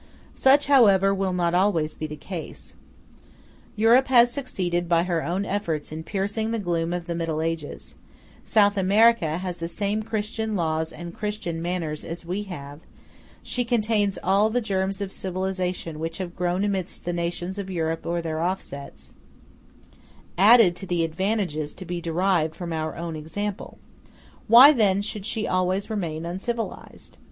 Such, however, will not always be the case. Europe has succeeded by her own efforts in piercing the gloom of the Middle Ages; South America has the same Christian laws and Christian manners as we have; she contains all the germs of civilization which have grown amidst the nations of Europe or their offsets, added to the advantages to be derived from our example: why then should she always remain uncivilized?